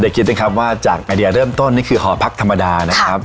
เดี๋ยวคิดน่ะครับว่าอาจารย์เริ่มต้นนี่คือหอพักธรรมดานะครับ